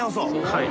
はい。